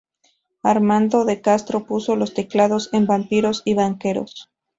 Armando de Castro puso los teclados en "Vampiros y banqueros".